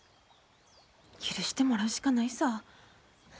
許してもらうしかないさぁ。